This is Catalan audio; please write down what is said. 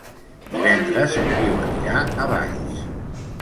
Divendres en Guiu anirà a Valls.